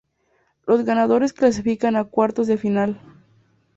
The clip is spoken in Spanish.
Los ganadores clasifican a Cuartos de Final.